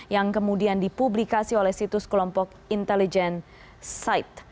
yang kemudian dipublikasi oleh situs kelompok intelligent site